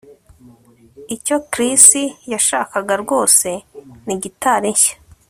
Icyo Chris yashakaga rwose ni gitari nshya